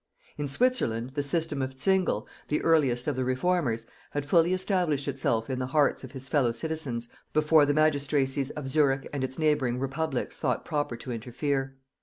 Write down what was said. In Switzerland, the system of Zwingle, the earliest of the reformers, had fully established itself in the hearts of his fellow citizens before the magistracies of Zurich and its neighbouring republics thought proper to interfere.